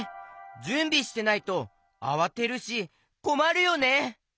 じゅんびしてないとあわてるしこまるよね！